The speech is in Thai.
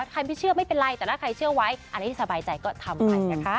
ใครไม่เชื่อไม่เป็นไรแต่ถ้าใครเชื่อไว้อะไรที่สบายใจก็ทำไปนะคะ